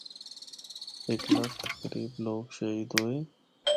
ہک لکھ دے قریب لوگ شہید ہوئے۔